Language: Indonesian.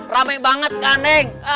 rame banget kaneng